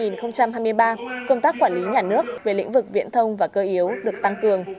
năm hai nghìn hai mươi ba công tác quản lý nhà nước về lĩnh vực viễn thông và cơ yếu được tăng cường